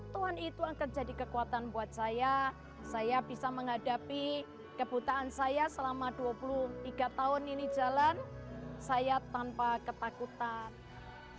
tuhan itu akan jadi kekuatan buat saya saya bisa menghadapi kebutaan saya selama dua puluh tiga tahun ini jalan saya tanpa ketakutan